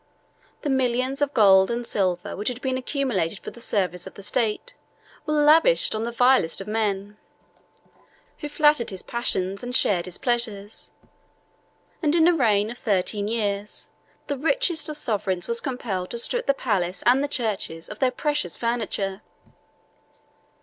The millions of gold and silver which had been accumulated for the service of the state, were lavished on the vilest of men, who flattered his passions and shared his pleasures; and in a reign of thirteen years, the richest of sovereigns was compelled to strip the palace and the churches of their precious furniture.